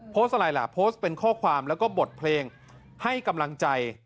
โพสต์อะไรล่ะโพสต์เป็นข้อความแล้วก็บทเพลงให้กำลังใจ